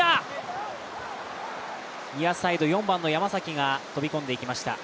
ニアサイド、４番の山崎が飛び込んでいきました。